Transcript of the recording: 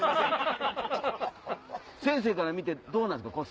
先生から見てどうなんですか？